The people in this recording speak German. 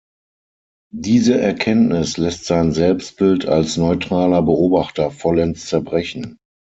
Diese Erkenntnis lässt sein Selbstbild als „neutraler Beobachter“ vollends zerbrechen.